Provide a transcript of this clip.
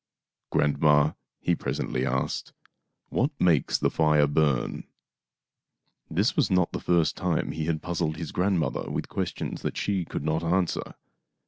"Grandma," he presently asked, " what makes the fire burn ?" This was not the first time he had puz zled his grandmother with questions that she could not answer.